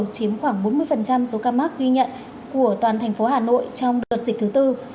chiếm khoảng bốn mươi số ca mắc ghi nhận của toàn thành phố hà nội trong đợt dịch thứ tư